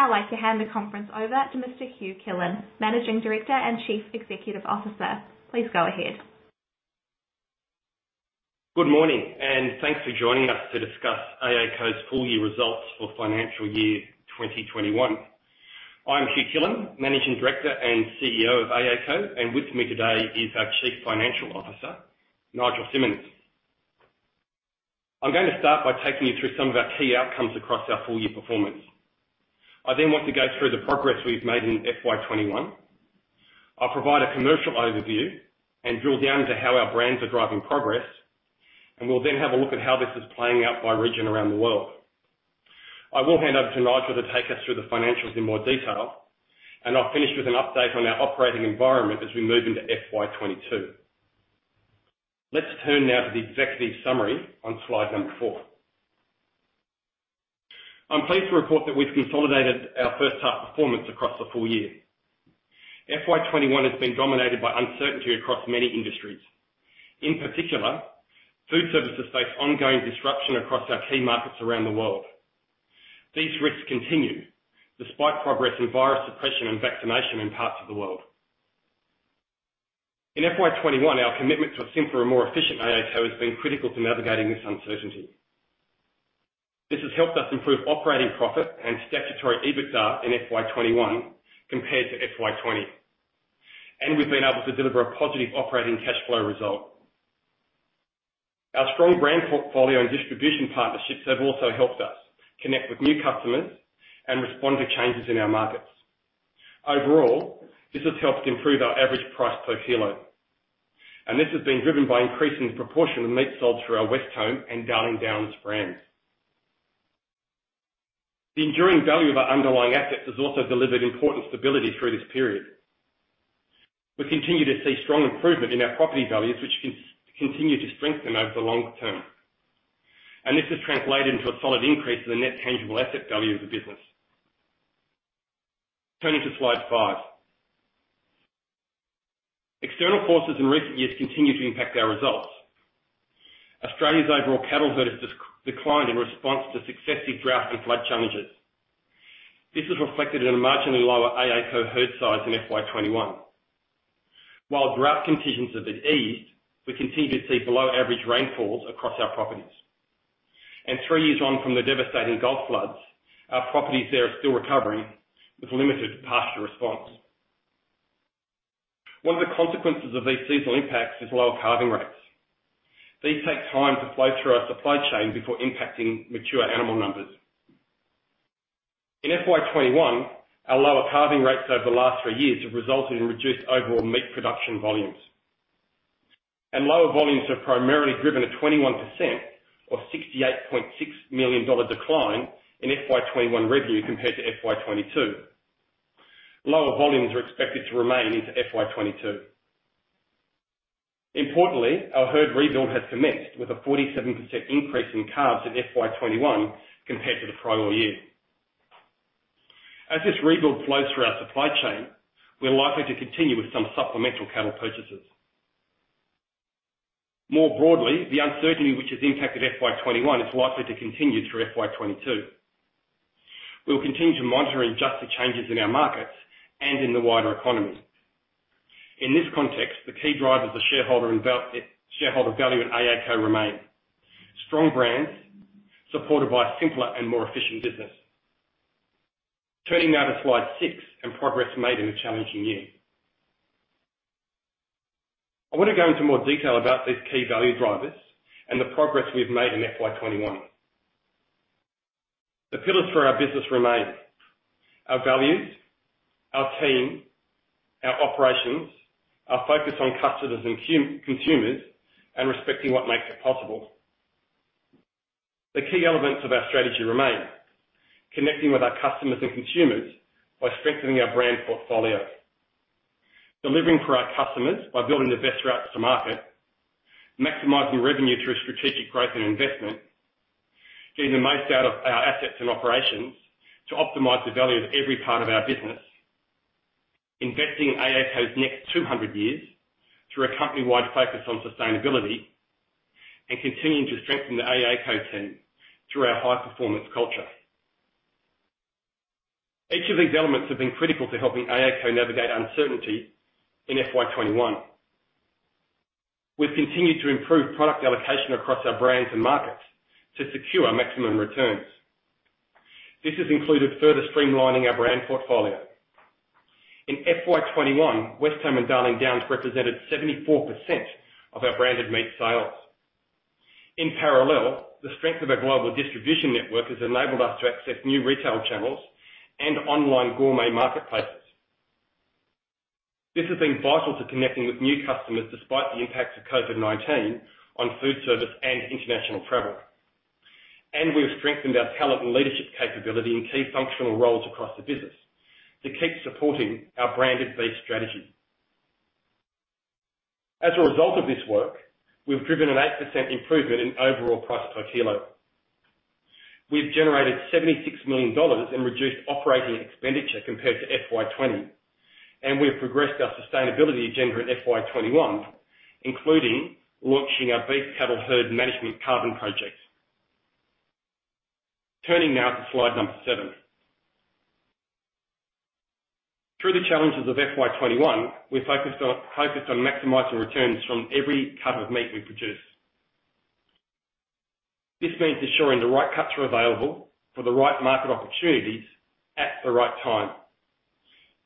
I'd now like to hand the conference over to Mr. Hugh Killen, Managing Director and Chief Executive Officer. Please go ahead. Good morning, and thanks for joining us to discuss AACo's Full-Year Results for Financial Year 2021. I'm Hugh Killen, Managing Director and CEO of AACo, and with me today is our Chief Financial Officer, Nigel Simonsz. I'm going to start by taking you through some of our key outcomes across our full-year performance. I then want to go through the progress we've made in FY 2021. I'll provide a commercial overview and drill down into how our brands are driving progress, and we'll then have a look at how this is playing out by region around the world. I will hand over to Nigel to take us through the financials in more detail, and I'll finish with an update on our operating environment as we move into FY 2022. Let's turn now to the executive summary on slide number four. I'm pleased to report that we've consolidated our first half performance across the full year. FY 2021 has been dominated by uncertainty across many industries. In particular, food services face ongoing disruption across our key markets around the world. These risks continue despite progress in virus suppression and vaccination in parts of the world. In FY 2021, our commitment to a simpler and more efficient AACo has been critical to navigating this uncertainty. This has helped us improve operating profit and statutory EBITDA in FY 2021 compared to FY 2020, and we've been able to deliver a positive operating cash flow result. Our strong brand portfolio and distribution partnerships have also helped us connect with new customers and respond to changes in our markets. Overall, this has helped improve our average price per kilo, and this has been driven by increasing proportion of meat sold through our Westholme and Darling Downs brands. The enduring value of our underlying assets has also delivered important stability through this period. We continue to see strong improvement in our property values, which continue to strengthen over the long term, and this has translated into a solid increase in the net tangible asset value of the business. Turning to slide five. External forces in recent years continue to impact our results. Australia's overall cattle herd has declined in response to successive drought and flood challenges. This is reflected in a marginally lower AACo herd size in FY 2021. While drought conditions have eased, we continue to see below-average rainfalls across our properties. Three years on from the devastating Gulf floods, our properties there are still recovering with limited pasture response. One of the consequences of these seasonal impacts is lower calving rates. These take time to flow through our supply chain before impacting mature animal numbers. In FY 2021, our lower calving rates over the last three years have resulted in reduced overall meat production volumes. Lower volumes have primarily driven a 21% or 68.6 million dollar decline in FY 2021 revenue compared to FY 2022. Lower volumes are expected to remain into FY 2022. Importantly, our herd rebuild has commenced with a 47% increase in calves in FY 2021 compared to the prior year. As this rebuild flows through our supply chain, we're likely to continue with some supplemental cattle purchases. More broadly, the uncertainty which has impacted FY 2021 is likely to continue through FY 2022. We'll continue to monitor and adjust to changes in our markets and in the wider economy. In this context, the key drivers of shareholder value at AACo remain: strong brands supported by a simpler and more efficient business. Turning now to slide six and progress made in a challenging year. I want to go into more detail about these key value drivers and the progress we've made in FY 2021. The pillars for our business remain: our values, our team, our operations, our focus on customers and consumers, and respecting what makes it possible. The key elements of our strategy remain: connecting with our customers and consumers by strengthening our brand portfolio; delivering for our customers by building the best routes to market; maximizing revenue through strategic growth and investment; getting the most out of our assets and operations to optimize the value of every part of our business; investing AACo's next 200 years through a company-wide focus on sustainability; and continuing to strengthen the AACo team through our high-performance culture. Each of these elements have been critical to helping AACo navigate uncertainty in FY 2021. We've continued to improve product allocation across our brands and markets to secure maximum returns. This has included further streamlining our brand portfolio. In FY 2021, Westholme and Darling Downs represented 74% of our branded meat sales. In parallel, the strength of our global distribution network has enabled us to access new retail channels and online gourmet marketplaces. This has been vital to connecting with new customers despite the impact of COVID-19 on food service and international travel. We've strengthened our talent and leadership capability in key functional roles across the business to keep supporting our brand-based strategy. As a result of this work, we've driven an 8% improvement in overall price per kilo. We've generated 76 million dollars in reduced operating expenditure compared to FY 2020. We have progressed our sustainability agenda in FY 2021, including launching our Beef Cattle Herd Management Carbon Project. Turning now to slide number seven. Through the challenges of FY 2021, we focused on maximizing returns from every cut of meat we produce. This means ensuring the right cuts are available for the right market opportunities at the right time.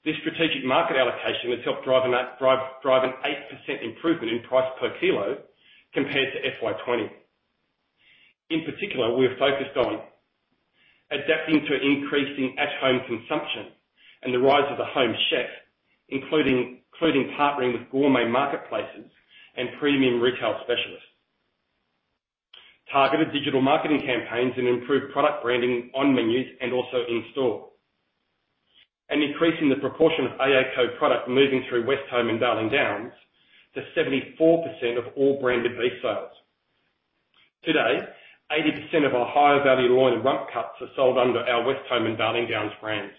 This strategic market allocation has helped drive an 8% improvement in price per kilo compared to FY 2020. In particular, we are focused on adapting to increasing at-home consumption and the rise of the home chef, including partnering with gourmet marketplaces and premium retail specialists, targeted digital marketing campaigns and improved product branding on menus and also in store. Increasing the proportion of AACo product moving through Westholme and Darling Downs to 74% of all branded beef sales. Today, 80% of our higher-value loin and rump cuts are sold under our Westholme and Darling Downs brands.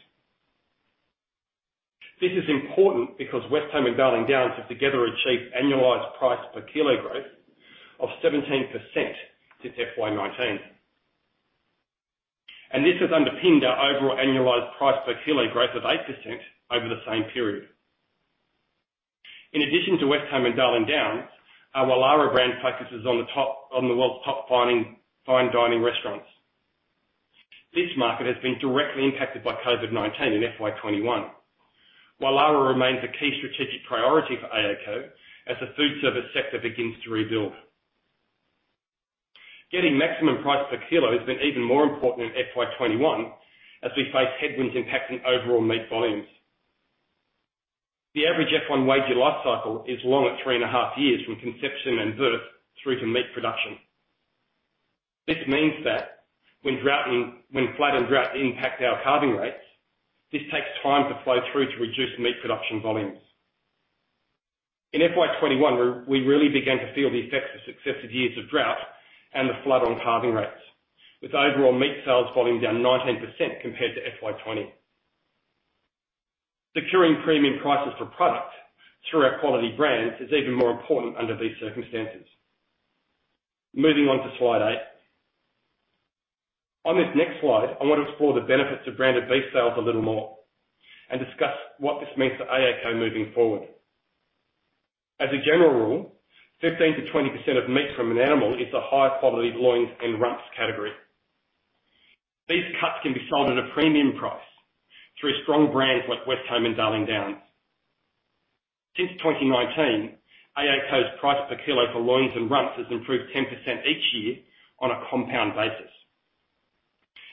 This is important because Westholme and Darling Downs have together achieved annualized price per kilo growth of 17% since FY 2019. This has underpinned our overall annualized price per kilo growth of 8% over the same period. In addition to Westholme and Darling Downs, our Wylarah brand focuses on the world's top fine dining restaurants. This market has been directly impacted by COVID-19 in FY 2021. Wylarah remains a key strategic priority for AACo as the food service sector begins to rebuild. Getting maximum price per kilo has been even more important in FY 2021, as we face headwinds impacting overall meat volumes. The average F1 Wagyu life cycle is long, at three and a half years from conception and birth through to meat production. This means that when flood and drought impact our calving rates, this takes time to flow through to reduce meat production volumes. In FY 2021, we really began to feel the effects of successive years of drought and the flood on calving rates, with overall meat sales volumes down 19% compared to FY 2020. Securing premium prices for product through our quality brands is even more important under these circumstances. Moving on to slide eight. On this next slide, I want to explore the benefits of branded beef sales a little more and discuss what this means for AACo moving forward. As a general rule, 15%-20% of meat from an animal is the high-quality loins and rumps category. These cuts can be sold at a premium price through strong brands like Westholme and Darling Downs. Since 2019, AACo's price per kilo for loins and rumps has improved 10% each year on a compound basis.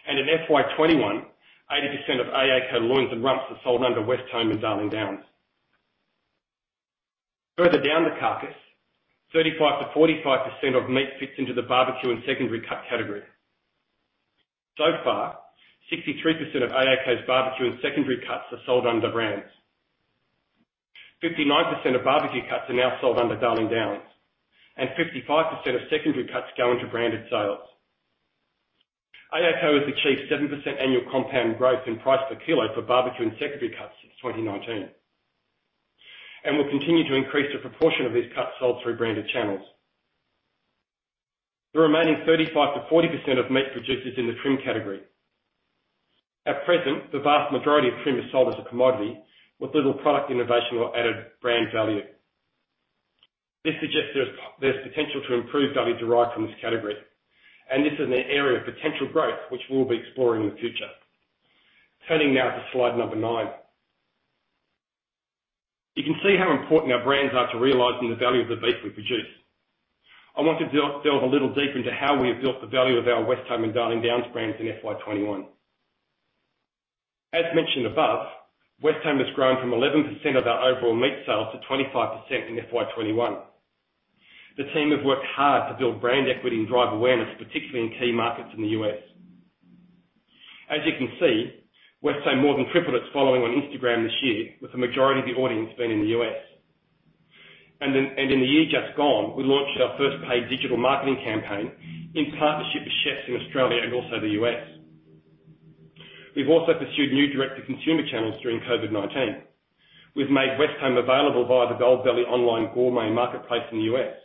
In FY 2021, 80% of AACo loins and rumps are sold under Westholme and Darling Downs. Further down the carcass, 35%-45% of meat fits into the barbecue and secondary cut category. So far, 63% of AACo's barbecue and secondary cuts are sold under brands. 59% of barbecue cuts are now sold under Darling Downs, and 55% of secondary cuts go into branded sales. AACo has achieved 7% annual compound growth in price per kilo for barbecue and secondary cuts since 2019, and will continue to increase the proportion of these cuts sold through branded channels. The remaining 35%-40% of meat produces in the trim category. At present, the vast majority of trim is sold as a commodity, with little product innovation or added brand value. This suggests there's potential to improve value derived from this category, and this is an area of potential growth, which we'll be exploring in the future. Turning now to slide number nine. You can see how important our brands are to realizing the value of the beef we produce. I want to delve a little deeper into how we have built the value of our Westholme and Darling Downs brands in FY 2021. As mentioned above, Westholme has grown from 11% of our overall meat sales to 25% in FY 2021. The team have worked hard to build brand equity and drive awareness, particularly in key markets in the U.S. In the year just gone, we launched our first paid digital marketing campaign in partnership with chefs in Australia and also the U.S. We've also pursued new direct-to-consumer channels during COVID-19. We've made Westholme available via the Goldbelly online gourmet marketplace in the U.S.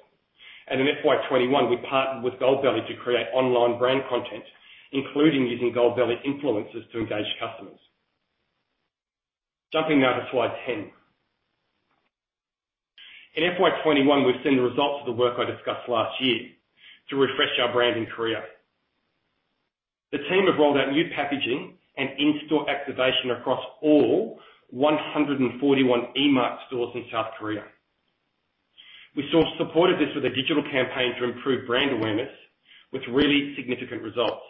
In FY 2021, we partnered with Goldbelly to create online brand content, including using Goldbelly influencers to engage customers. Jumping now to slide 10. In FY 2021, we've seen the results of the work I discussed last year to refresh our brand in Korea. The team have rolled out new packaging and in-store activation across all 141 Emart stores in South Korea. We supported this with a digital campaign to improve brand awareness, with really significant results.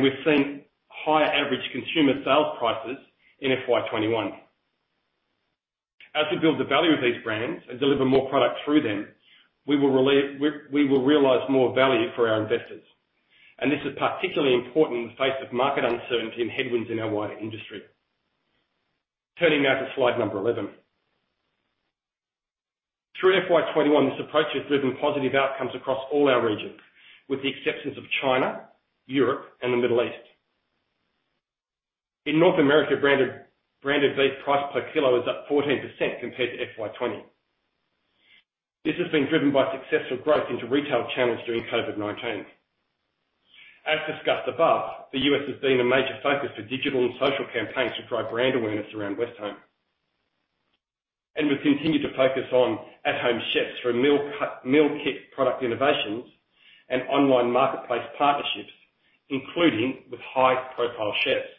We've seen higher average consumer sales prices in FY 2021. As we build the value of these brands and deliver more product through them, we will realize more value for our investors, and this is particularly important in the face of market uncertainty and headwinds in our wider industry. Turning now to slide number 11. Through FY 2021, this approach has driven positive outcomes across all our regions, with the exceptions of China, Europe, and the Middle East. In North America, branded beef price per kilo is up 14% compared to FY 2020. This has been driven by successful growth into retail channels during COVID-19. As discussed above, the U.S. has been a major focus for digital and social campaigns to drive brand awareness around Westholme. We've continued to focus on at-home chefs through meal kit product innovations and online marketplace partnerships, including with high-profile chefs.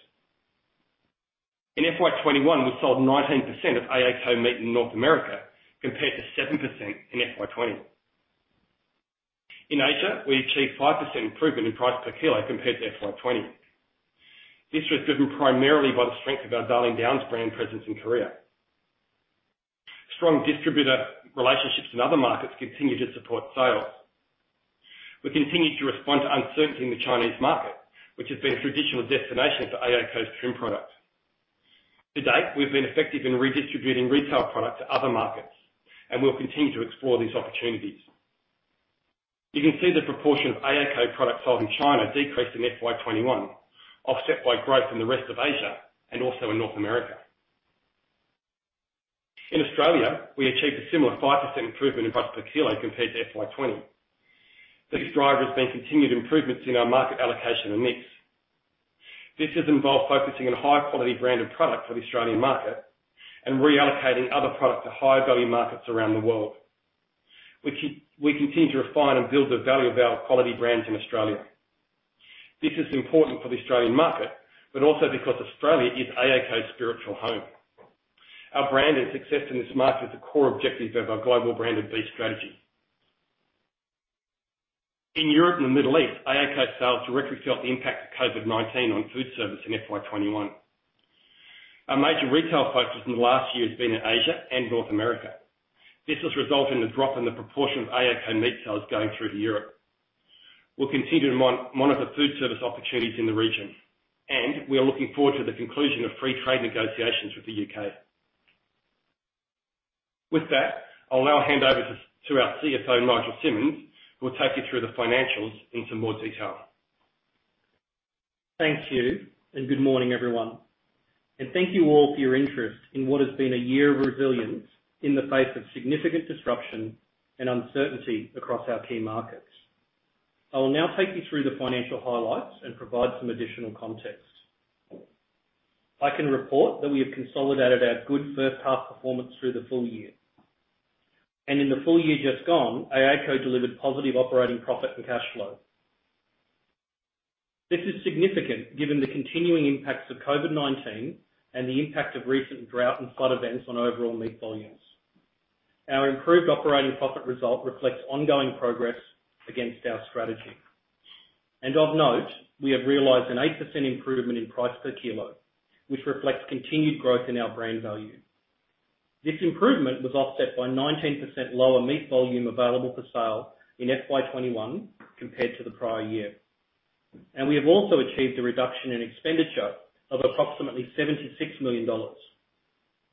In FY 2021, we sold 19% of AACo meat in North America, compared to 7% in FY 2020. In Asia, we achieved 5% improvement in price per kilo compared to FY 2020. This was driven primarily by the strength of our Darling Downs brand presence in Korea. Strong distributor relationships in other markets continue to support sales. We continue to respond to uncertainty in the Chinese market, which has been a traditional destination for AACo's trim product. To date, we've been effective in redistributing retail product to other markets, and we'll continue to explore these opportunities. You can see the proportion of AACo product sold in China decreased in FY 2021, offset by growth in the rest of Asia and also in North America. In Australia, we achieved a similar 5% improvement in price per kilo compared to FY 2020. This driver has been continued improvements in our market allocation and mix. This has involved focusing on high-quality branded product for the Australian market and reallocating other product to high-value markets around the world. We continue to refine and build the value of our quality brands in Australia. This is important for the Australian market, but also because Australia is AACo's spiritual home. Our brand and success in this market is a core objective of our global brand and beef strategy. In Europe and the Middle East, AACo sales directly felt the impact of COVID-19 on food service in FY 2021. Our major retail focus in the last year has been in Asia and North America. This has resulted in a drop in the proportion of AACo meat sales going through to Europe. We'll continue to monitor food service opportunities in the region, and we are looking forward to the conclusion of free trade negotiations with the U.K. With that, I'll now hand over to our CFO, Nigel Simonsz, who will take you through the financials in some more detail. Thank you, good morning, everyone. Thank you all for your interest in what has been a year of resilience in the face of significant disruption and uncertainty across our key markets. I will now take you through the financial highlights and provide some additional context. I can report that we have consolidated our good first-half performance through the full year. In the full year just gone, AACo delivered positive operating profit and cash flow. This is significant given the continuing impacts of COVID-19 and the impact of recent drought and flood events on overall meat volumes. Our improved operating profit result reflects ongoing progress against our strategy. Of note, we have realized an 8% improvement in price per kilo, which reflects continued growth in our brand value. This improvement was offset by 19% lower meat volume available for sale in FY 2021 compared to the prior year. We have also achieved a reduction in expenditure of approximately 76 million dollars,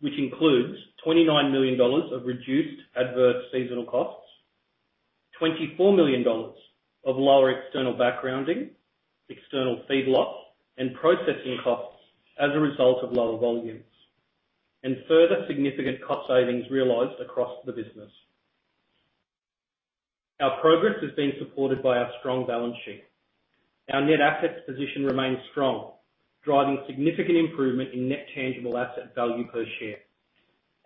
which includes 29 million dollars of reduced adverse seasonal costs, 24 million dollars of lower external backgrounding, external feedlots, and processing costs as a result of lower volumes, and further significant cost savings realized across the business. Our progress has been supported by our strong balance sheet. Our net assets position remains strong, driving significant improvement in net tangible asset value per share.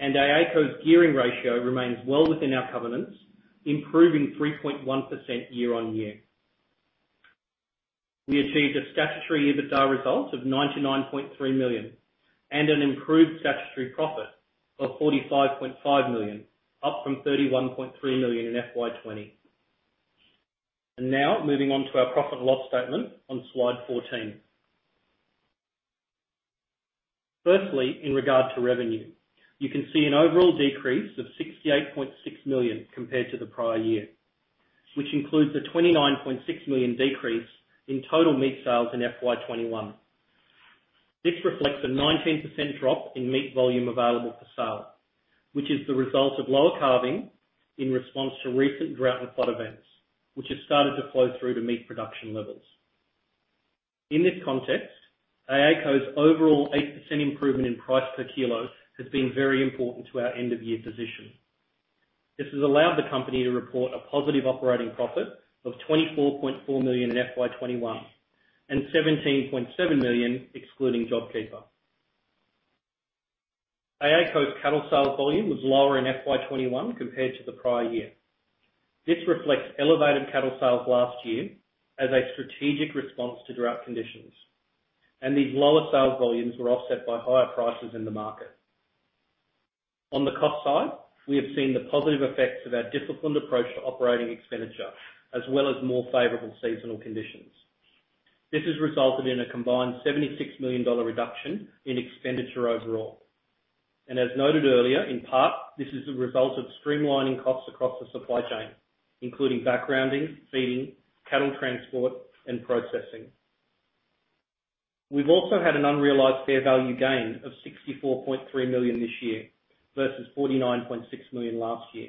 AACo's gearing ratio remains well within our covenants, improving 3.1% year-on-year. We achieved a statutory EBITDA result of 99.3 million and an improved statutory profit of 45.5 million, up from 31.3 million in FY 2020. Now moving on to our profit loss statement on slide 14. Firstly, in regard to revenue, you can see an overall decrease of 68.6 million compared to the prior year, which includes a 29.6 million decrease in total meat sales in FY 2021. This reflects a 19% drop in meat volume available for sale, which is the result of lower calving in response to recent drought and flood events, which have started to flow through to meat production levels. In this context, AACo's overall 8% improvement in price per kilo has been very important to our end-of-year position. This has allowed the company to report a positive operating profit of 24.4 million in FY 2021 and 17.7 million excluding JobKeeper. AACo's cattle sales volume was lower in FY 2021 compared to the prior year. This reflects elevated cattle sales last year as a strategic response to drought conditions, and these lower sales volumes were offset by higher prices in the market. On the cost side, we have seen the positive effects of our disciplined approach to operating expenditure, as well as more favorable seasonal conditions. This has resulted in a combined AUD 76 million reduction in expenditure overall. As noted earlier, in part, this is a result of streamlining costs across the supply chain, including backgrounding, feeding, cattle transport, and processing. We've also had an unrealized fair value gain of 64.3 million this year, versus 49.6 million last year.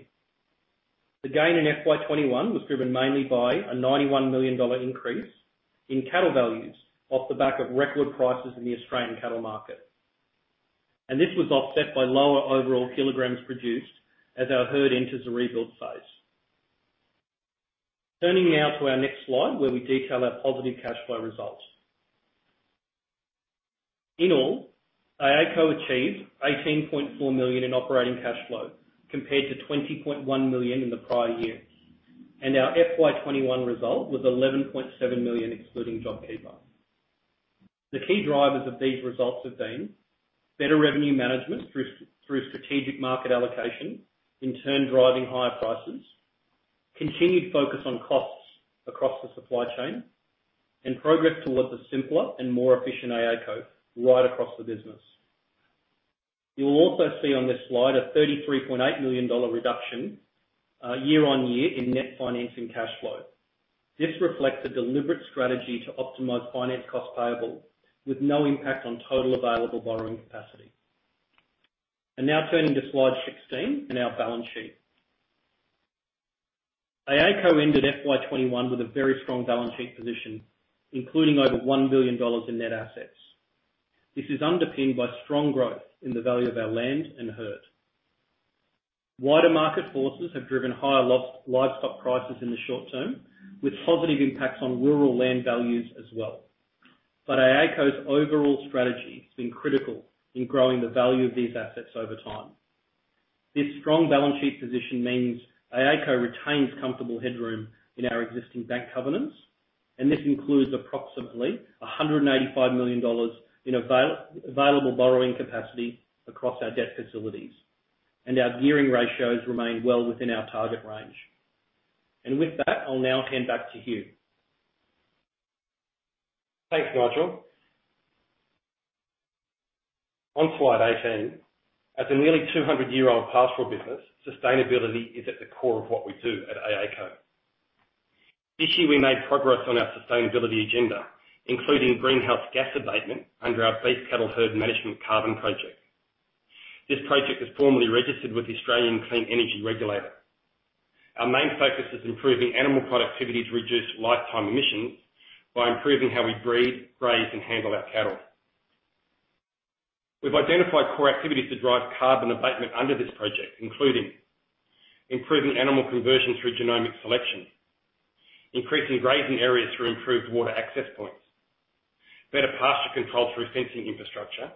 The gain in FY 2021 was driven mainly by an 91 million dollar increase in cattle values off the back of record prices in the Australian cattle market. This was offset by lower overall kilograms produced as our herd enters a rebuild phase. Turning now to our next slide, where we detail our positive cash flow results. In all, AACo achieved 18.4 million in operating cash flow compared to 20.1 million in the prior year. Our FY 2021 result was 11.7 million, excluding JobKeeper. The key drivers of these results have been better revenue management through strategic market allocation, in turn driving higher prices, continued focus on costs across the supply chain, and progress towards a simpler and more efficient AACo right across the business. You'll also see on this slide a 33.8 million dollar reduction year-on-year in net financing cash flow. This reflects a deliberate strategy to optimize finance costs payable with no impact on total available borrowing capacity. Now turning to slide 16 and our balance sheet. AACo ended FY 2021 with a very strong balance sheet position, including over 1 billion dollars in net assets. This is underpinned by strong growth in the value of our land and herd. Wider market forces have driven higher livestock prices in the short term, with positive impacts on rural land values as well. AACo's overall strategy has been critical in growing the value of these assets over time. This strong balance sheet position means AACo retains comfortable headroom in our existing bank covenants, and this includes approximately 185 million dollars in available borrowing capacity across our debt facilities, and our gearing ratios remain well within our target range. With that, I'll now hand back to Hugh. Thanks, Nigel. On slide 18, as a nearly 200-year-old pastoral business, sustainability is at the core of what we do at AACo. This year, we made progress on our sustainability agenda, including greenhouse gas abatement under our Beef Cattle Herd Management Carbon Project. This project is formally registered with the Australian Clean Energy Regulator. Our main focus is improving animal productivity to reduce lifetime emissions by improving how we breed, graze, and handle our cattle. We've identified core activities to drive carbon abatement under this project, including improving animal conversion through genomic selection, increasing grazing areas through improved water access points, better pasture control through fencing infrastructure,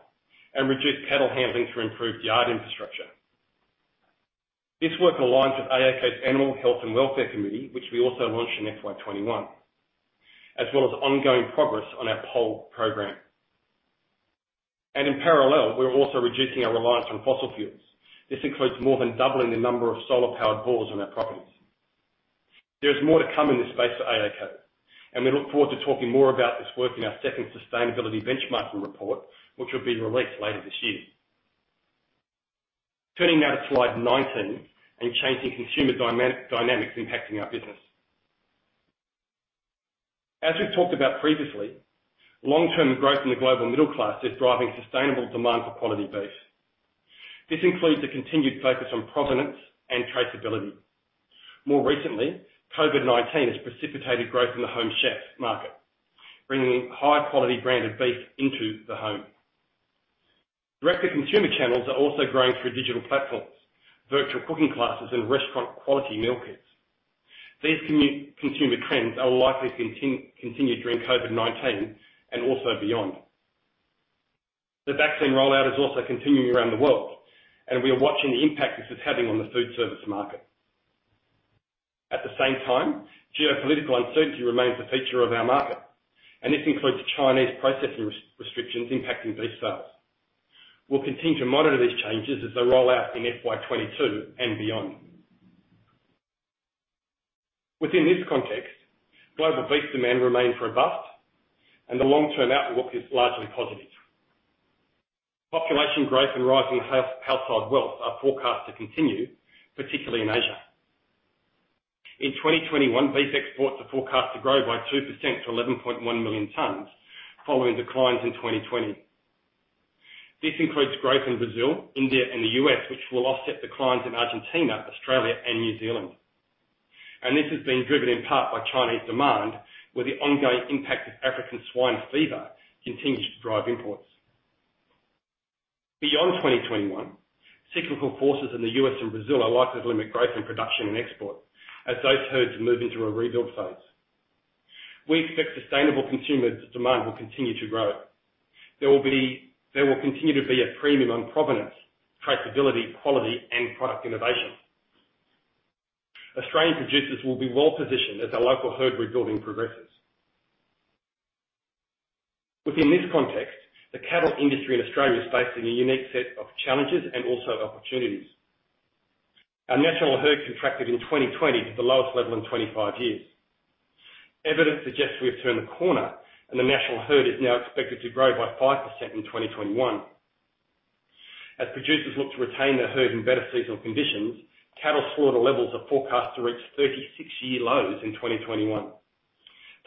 and reduced cattle handling through improved yard infrastructure. This work aligns with AACo's Animal Health and Welfare Committee, which we also launched in FY 2021, as well as ongoing progress on our poll program. In parallel, we're also reducing our reliance on fossil fuels. This includes more than doubling the number of solar-powered bores on our properties. There is more to come in this space for AACo, and we look forward to talking more about this work in our second sustainability benchmarking report, which will be released later this year. Turning now to slide 19 and changing consumer dynamics impacting our business. As we've talked about previously, long-term growth in the global middle class is driving sustainable demand for quality beef. This includes a continued focus on provenance and traceability. More recently, COVID-19 has precipitated growth in the home chef market, bringing high-quality branded beef into the home. Record consumer channels are also growing through digital platforms, virtual cooking classes, and restaurant-quality meal kits. These consumer trends are likely to continue during COVID-19 and also beyond. The vaccine rollout is also continuing around the world, and we are watching the impact this is having on the food service market. At the same time, geopolitical uncertainty remains a feature of our market, and this includes Chinese processing restrictions impacting beef sales. We'll continue to monitor these changes as they roll out in FY 2022 and beyond. Within this context, global beef demand remains robust, and the long-term outlook is largely positive. Population growth and rising household wealth are forecast to continue, particularly in Asia. In 2021, beef exports are forecast to grow by 2% to 11.1 million tonnes following the declines in 2020. This includes growth in Brazil, India, and the U.S., which will offset the declines in Argentina, Australia, and New Zealand. This has been driven in part by Chinese demand, where the ongoing impact of African swine fever continues to drive imports. Beyond 2021, cyclical forces in the U.S. and Brazil are likely to limit growth in production and export as those herds move into a rebuild phase. We expect sustainable consumer demand will continue to grow. There will continue to be a premium on provenance, traceability, quality, and product innovation. Australian producers will be well-positioned as the local herd rebuilding progresses. Within this context, the cattle industry in Australia is facing a unique set of challenges and also opportunities. Our national herd contracted in 2020 to the lowest level in 25 years. Evidence suggests we've turned a corner, and the national herd is now expected to grow by 5% in 2021. As producers look to retain their herd in better seasonal conditions, cattle slaughter levels are forecast to reach 36-year lows in 2021.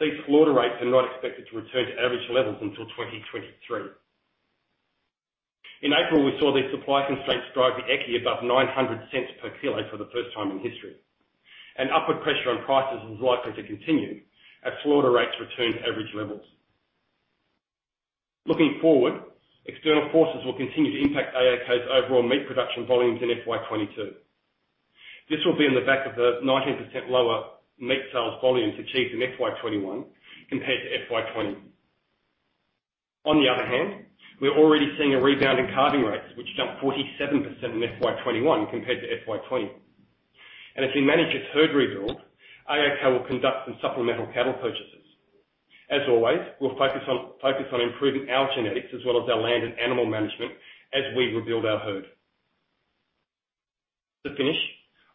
These slaughter rates are not expected to return to average levels until 2023. In April, we saw these supply constraints drive the EYCI above 9.00 per kilo for the first time in history. Upward pressure on prices is likely to continue as slaughter rates return to average levels. Looking forward, external forces will continue to impact AACo's overall meat production volumes in FY 2022. This will be on the back of the 19% lower meat sales volumes achieved in FY 2021 compared to FY 2020. On the other hand, we're already seeing a rebound in calving rates, which jumped 47% in FY 2021 compared to FY 2020. As we manage this herd rebuild, AACo will conduct some supplemental cattle purchases. As always, we'll focus on improving our genetics as well as our land and animal management as we rebuild our herd. To finish,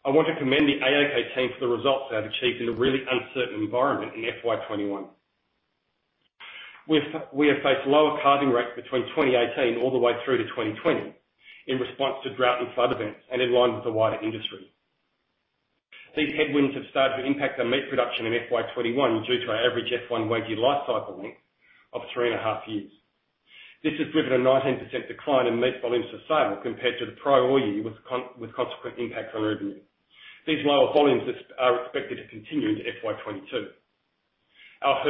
I want to commend the AACo team for the results they have achieved in a really uncertain environment in FY 2021. We have faced lower calving rates between 2018 all the way through to 2020 in response to drought and flood events and in line with the wider industry. These headwinds have started to impact our meat production in FY 2021 due to our average F1 Wagyu lifecycle mix of three and a half years. This has driven a 19% decline in meat volumes for sale compared to the prior year, with a consequent impact on revenue. These lower volumes are expected to continue into FY 2022. Our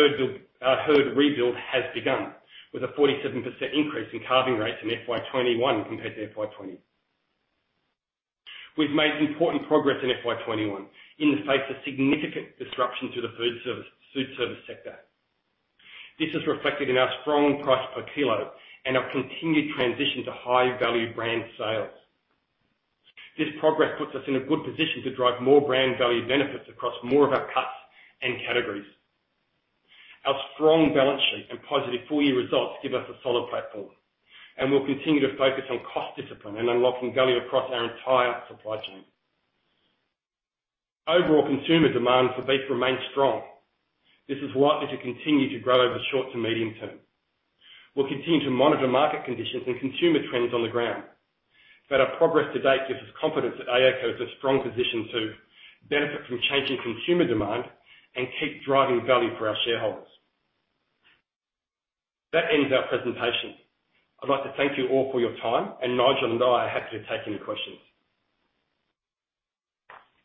herd rebuild has begun, with a 47% increase in calving rates in FY 2021 compared to FY 2020. We've made important progress in FY 2021 in the face of significant disruption to the food service sector. This is reflected in our strong price per kilo and our continued transition to high-value brand sales. This progress puts us in a good position to drive more brand value benefits across more of our cuts and categories. Our strong balance sheet and positive full-year results give us a solid platform, and we'll continue to focus on cost discipline and unlocking value across our entire supply chain. Overall consumer demand for beef remains strong. This is likely to continue to grow over the short to medium term. We'll continue to monitor market conditions and consumer trends on the ground. Our progress to date gives us confidence that AACo is in a strong position to benefit from changing consumer demand and keep driving value for our shareholders. That ends our presentation. I'd like to thank you all for your time, and Nigel and I are happy to take any questions.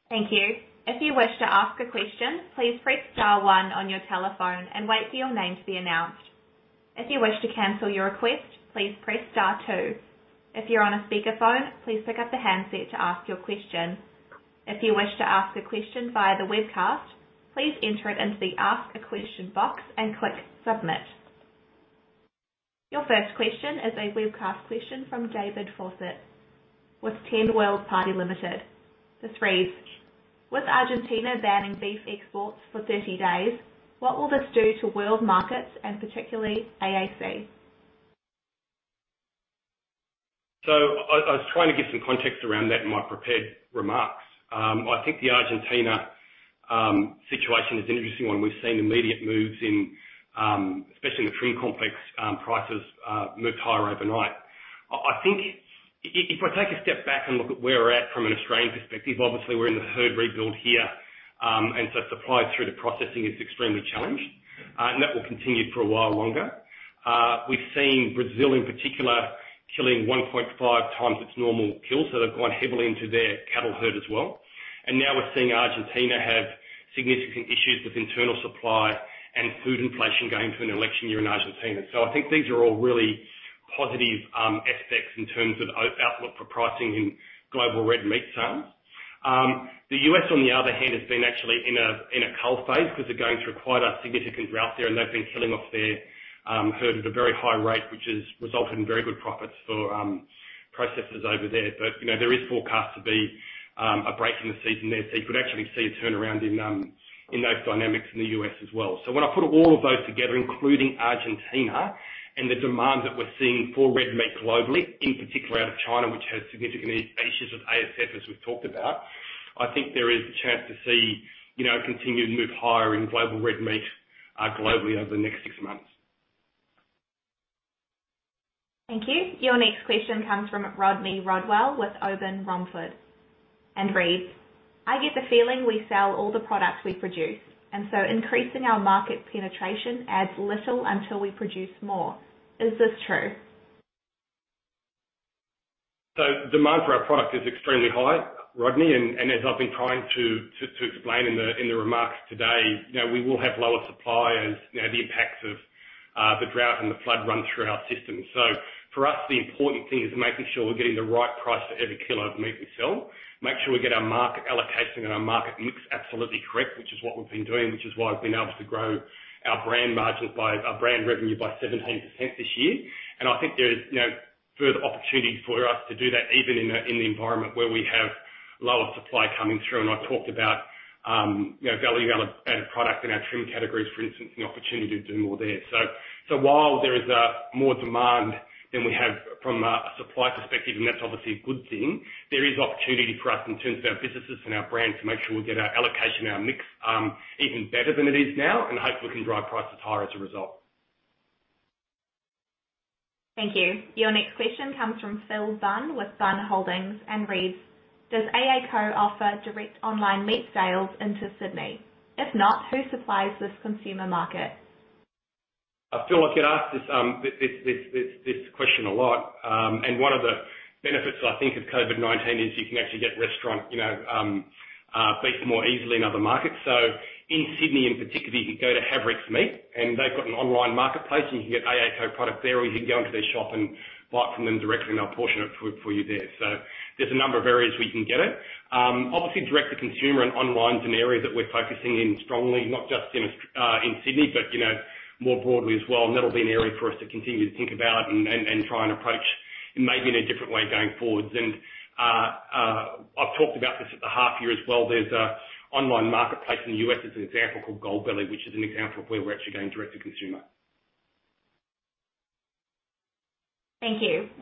Thank you. If you wish to ask a question, please press star one on your telephone and wait for your name to be announced. If you wish to cancel your request, please press star two. If you're on a speakerphone, please pick up the handset to ask your question. If you wish to ask a question via the webcast, please enter it into the Ask a Question box and click Submit. Your first question is a webcast question from David Fawcett with Ten World Pty Limited, reads: With Argentina banning beef exports for 30 days, what will this do to world markets and particularly AACo? I was trying to give some context around that in my prepared remarks. I think the Argentina situation is interesting when we've seen immediate moves in, especially the trim complex, prices moved higher overnight. I think if I take a step back and look at where we're at from an Australian perspective, obviously, we're in a herd rebuild here, and so supply through to processing is extremely challenged, and that will continue for a while longer. We've seen Brazil, in particular, killing 1.5x its normal kill, so they've gone heavily into their cattle herd as well. Now we're seeing Argentina have significant issues with internal supply and food inflation going into an election year in Argentina. I think these are all really positive aspects in terms of outlook for pricing in global red meat sales. The U.S., on the other hand, has been actually in a cull phase because they're going through quite a significant drought there, and they've been selling off their herd at a very high rate, which has resulted in very good profits for processors over there. There is forecast to be a break from the season there, so we could actually see a turnaround in those dynamics in the U.S. as well. When I put all of those together, including Argentina and the demand that we're seeing for red meat globally, in particular out of China, which has significant issues with ASF, as we've talked about, I think there is a chance to see continued move higher in global red meat globally over the next six months. Thank you. Your next question comes from Rodney Rodwell with Aubin Mumford and reads: I get the feeling we sell all the products we produce, and so increasing our market penetration adds little until we produce more. Is this true? Demand for our product is extremely high, Rodney, and as I've been trying to explain in the remarks today, we will have lower supply as the impacts of the drought and the flood run through our system. For us, the important thing is making sure we're getting the right price for every kilo of meat we sell, make sure we get our market allocation and our market mix absolutely correct, which is what we've been doing, which is why we've been able to grow our brand revenue by 17% this year. I think there's further opportunity for us to do that even in the environment where we have lower supply coming through. I talked about value-added product in our trim categories, for instance, and the opportunity to do more there. While there is more demand than we have from a supply perspective, and that's obviously a good thing, there is opportunity for us in terms of our businesses and our brands to make sure we get our allocation, our mix even better than it is now, and hopefully, we can drive prices higher as a result. Thank you. Your next question comes from Phil Zahn with Zahn Holdings and reads: Does AACo offer direct online meat sales into Sydney? If not, who supplies this consumer market? Phil, I get asked this question a lot. One of the benefits, I think, of COVID-19 is you can actually get restaurant beef more easily in other markets. In Sydney, in particular, you can go to Haverick Meats and they've got an online marketplace where you can get AACo product very easily. You can go into their shop and buy from them directly and they'll portion it for you there. There's a number of areas where you can get it. Obviously, direct to consumer and online is an area that we're focusing in strongly, not just in Sydney, but more broadly as well. That'll be an area for us to continue to think about and try and approach in maybe in a different way going forward. I've talked about this at the half year as well. There's an online marketplace in the U.S., as an example, called Goldbelly, which is an example of where we're actually going direct to consumer. Thank you.